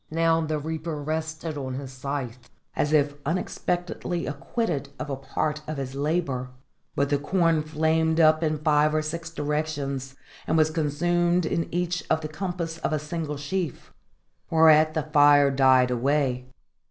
Now the reaper rested on his scythe, as if unexpectedly acquitted of a part of his labour; but the corn flamed up in these five or six directions, and was consumed in each to the compass of a single sheaf: whereat the fire died away.